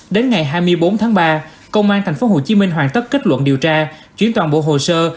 đến ngày hai mươi bốn tháng ba công an tp hcm hoàn tất kết luận điều tra chuyển toàn bộ hồ sơ